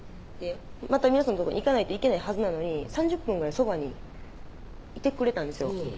また皆さんのとこに行かないといけないはずなのに３０分ぐらいそばにいてくれたんですよ